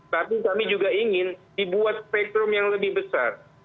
tapi kami juga ingin dibuat spektrum yang lebih besar